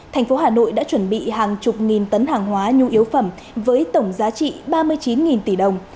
thành phố hà nội đã chuẩn bị hàng chục nghìn tấn hàng hóa nhu yếu phẩm với tổng giá trị ba mươi chín tỷ đồng